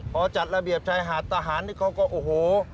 พอจัดระเบียบชายหาดทหารนี่เขาก็โอ้โห